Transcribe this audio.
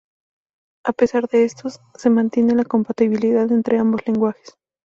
A pesar de esto, se mantiene la compatibilidad entre ambos lenguajes.